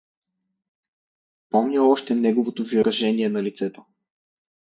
Помня още неговото виражение на лицето.